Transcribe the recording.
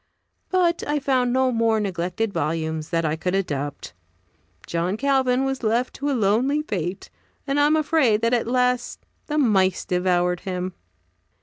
But I found no more neglected volumes that I could adopt. John Calvin was left to a lonely fate, and am afraid that at last the mice devoured him.